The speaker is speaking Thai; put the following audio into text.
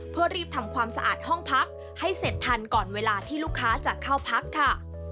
เพื่อรีบทำความสะอาดห้องพักให้เสร็จทันก่อนเวลาที่ลูกค้าจะเข้าพักค่ะ